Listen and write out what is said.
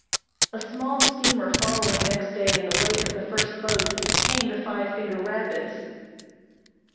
A small steamer following next day in the wake of the first boat, came to Five Finger Rapids.